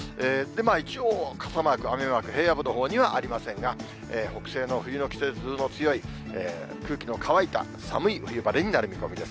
一応、傘マーク、雨マーク、平野部のほうにはありませんが、北西の冬の季節風の強い、空気の乾いた寒い冬晴れになる見込みです。